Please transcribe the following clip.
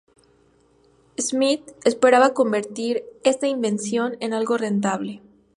Schmidt esperaba convertir esta invención en algo rentable.